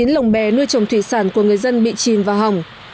chín mươi chín lồng bè nuôi trồng thủy sản của người dân bị chìm và hỏng